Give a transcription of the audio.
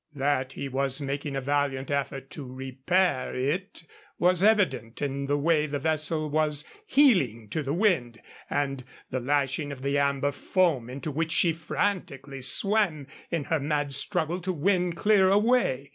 That he was making a valiant effort to repair it was evident in the way the vessel was heeling to the wind and the lashing of the amber foam into which she frantically swam in her mad struggle to win clear away.